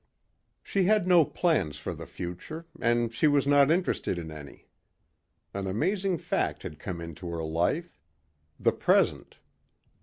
She had no plans for the future and she was not interested in any. An amazing fact had come into her life the present.